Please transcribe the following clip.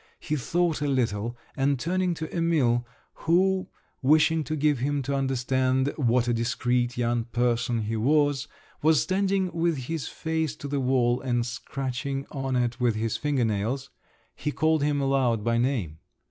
He thought a little, and turning to Emil, who, wishing to give him to understand what a discreet young person he was, was standing with his face to the wall, and scratching on it with his finger nails, he called him aloud by name.